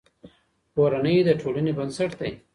کورنۍ د ټولنې بنسټ دی.